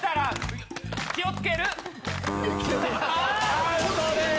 アウトです！